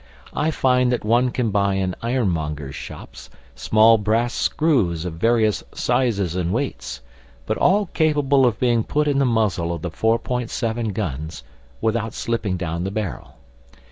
I find that one can buy in ironmongers' shops small brass screws of various sizes and weights, but all capable of being put in the muzzle of the 4'7 guns without slipping down the barrel.